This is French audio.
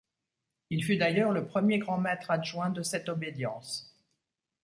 Il fut d'ailleurs le premier grand maître adjoint de cette obédience.